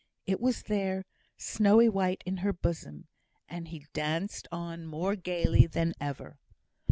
It was there, snowy white in her bosom. And he danced on more gaily than ever.